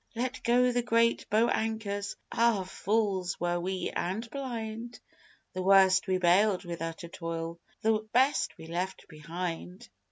Let go the great bow anchors Ah, fools were we and blind The worst we baled with utter toil, The best we left behind!